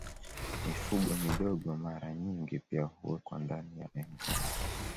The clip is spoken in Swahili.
Mifugo midogo mara nyingi pia huwekwa ndani ya enkaji